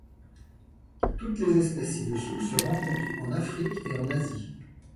Toutes les espèces ci-dessous se rencontre en Afrique et en Asie.